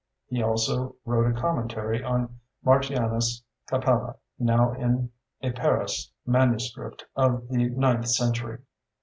He also wrote a commentary on Martianus Capella, now in a Paris MS. of the ninth century.